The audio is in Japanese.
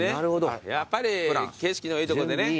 やっぱり景色のいいとこでね。